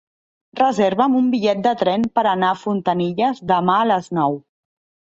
Reserva'm un bitllet de tren per anar a Fontanilles demà a les nou.